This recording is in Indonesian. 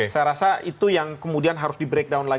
saya rasa itu yang kemudian harus di breakdown lagi